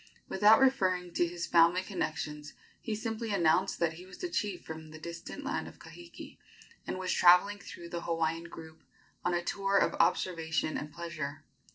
Without referring to his family connections, he simply announced that he was a chief from the distant land of Kahiki, and was traveling through the Hawaiian group on a tour of observation and pleasure.